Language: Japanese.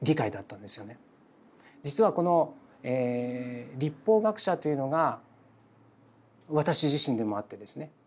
実はこの「律法学者」というのが私自身でもあってですね。